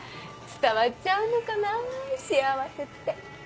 伝わっちゃうのかなぁ幸せって。